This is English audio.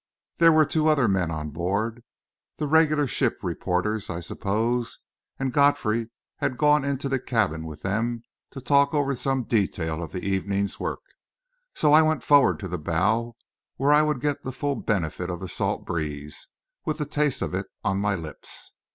There were two other men on board the regular ship reporters, I suppose and Godfrey had gone into the cabin with them to talk over some detail of the evening's work; so I went forward to the bow, where I would get the full benefit of the salt breeze, with the taste of it on my lips.